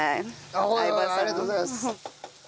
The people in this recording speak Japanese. ありがとうございます。